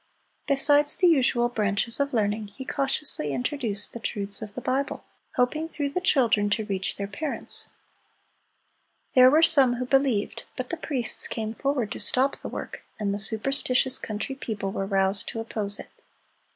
Besides the usual branches of learning, he cautiously introduced the truths of the Bible, hoping through the children to reach their parents. There were some who believed, but the priests came forward to stop the work, and the superstitious country people were roused to oppose it.